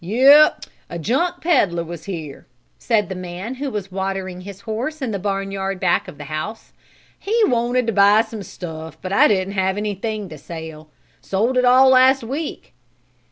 "Yep, a junk peddler was here," said the man who was watering his horse in the barnyard back of the house. "He wanted to buy stuff but I didn't have anything to sell. Sold it all last week."